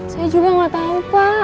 saya juga nggak tahu pak